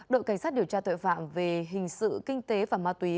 đội cảnh sát điều tra tội phạm về hình sự kinh tế và ma túy